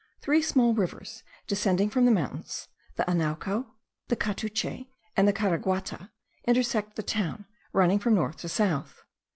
Three small rivers, descending from the mountains, the Anauco, the Catuche, and the Caraguata, intersect the town, running from north to south.